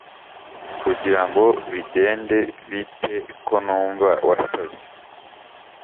Kugira ngo bigende bite konumva wasaze